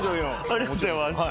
ありがとうございます。